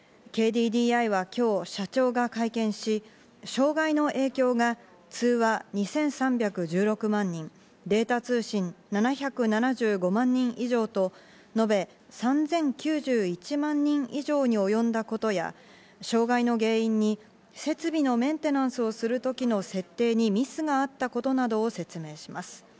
ＫＤＤＩは今日社長が会見し、障害の影響が通話２３１６万人、データ通信７７５万人以上とのべ３０９１万人以上におよんだことや、障害の原因に設備のメンテナンスをする時の設定にミスがあったことなどを説明します。